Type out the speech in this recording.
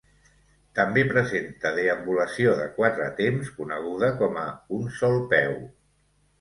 També presenta deambulació de quatre temps, coneguda com a "un sol peu".